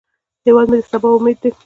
هیواد مې د سبا امید دی